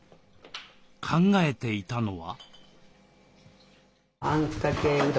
考えていたのは。